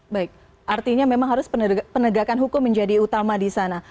baik artinya memang harus penegakan hukum menjadi utama di sana